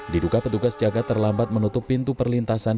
diduga petugas jaga terlambat menutup pintu perlintasan